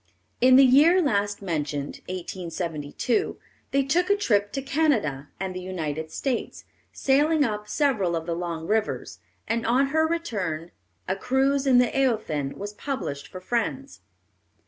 In the year last mentioned, 1872, they took a trip to Canada and the United States, sailing up several of the long rivers, and on her return, A Cruise in the Eothen was published for friends.